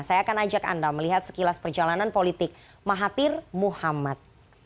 saya akan ajak anda melihat sekilas perjalanan politik mahathir muhammad